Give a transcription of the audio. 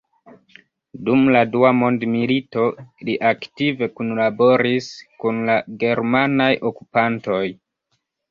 Dum la Dua Mondmilito li aktive kunlaboris kun la germanaj okupantoj.